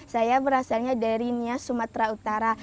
saya berasalnya dari nias sumatera utara